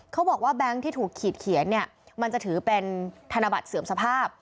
บอกว่าแบงค์ที่ถูกขีดเขียนเนี่ยมันจะถือเป็นธนบัตรเสื่อมสภาพ